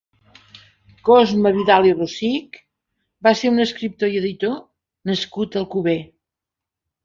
Cosme Vidal i Rosich va ser un escriptor i editor nascut a Alcover.